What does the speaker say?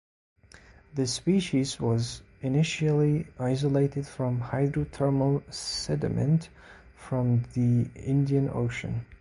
The species was initially isolated from hydrothermal sediment from the Indian Ocean.